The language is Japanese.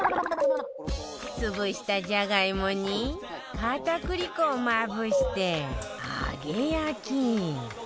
潰したじゃがいもに片栗粉をまぶして揚げ焼き